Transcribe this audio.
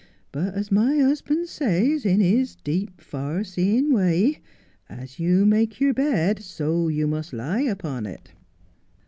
But, as my husband says, in his deep, far seeing way, " As you make your bed so you must lie upon it."